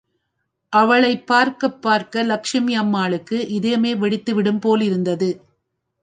அவளைப் பார்க்கப் பார்க்க லட்சுமி அம்மாளுக்கு இதயமே வெடித்து விடும் போலிருந்தது.